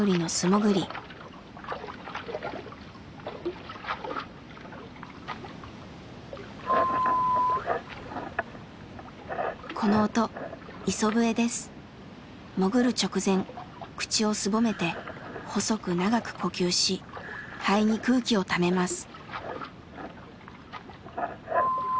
潜る直前口をすぼめて細く長く呼吸し肺に空気をためます。